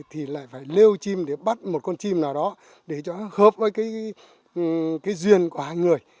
thì lại phải leo chim để bắt một con chim nào đó để cho nó hợp với cái duyên của hai người